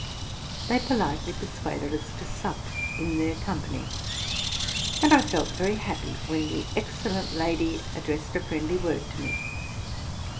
They politely persuaded us to sup in their com pany, and I felt very happy when the excellent lady addressed a friendly word to me.